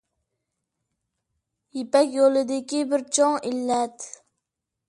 يىپەك يولىدىكى بىر چوڭ ئىللەت